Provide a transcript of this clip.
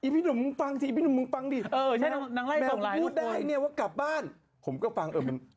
ปะว้าง